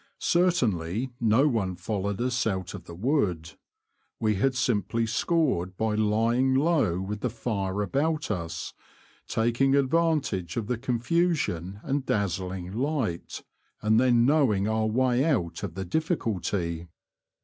Certainly no one followed us out of the wood. We had simply scored by lying low with the fire about us, taking advantage of the confusion and dazzling light, and then knowing our way out of the difiiculty.